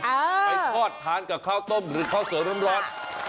ใครทอดทานกับข้าวต้มหรือข้าวเสริมแล้วร้อน